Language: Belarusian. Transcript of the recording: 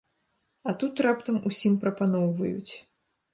А тут раптам усім прапаноўваюць.